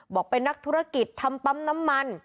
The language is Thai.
บอกเป็นนักธุรกิจทำปั๊มน้ำมัน